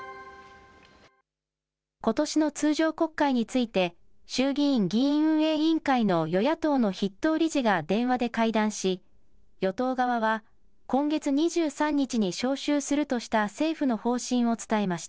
ことしの通常国会について、衆議院議院運営委員会の与野党の筆頭理事が電話で会談し、与党側は今月２３日に召集するとした政府の方針を伝えました。